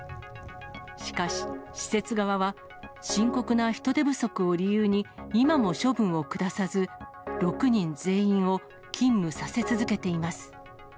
しかし、施設側は深刻な人手不足を理由に、今も処分を下さず、６人全員を勤務させ続けています。